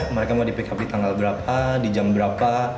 mereka mau di pick up di tanggal berapa di jam berapa terus masukkan alamatnya